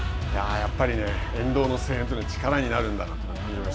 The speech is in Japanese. やっぱり、沿道の声援というのは力になるんだなと。